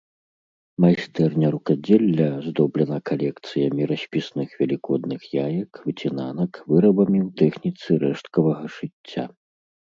Майстэрня рукадзелля аздоблена калекцыямі распісных велікодных яек, выцінанак, вырабамі ў тэхніцы рэшткавага шыцця.